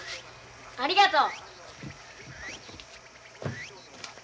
ありがとう！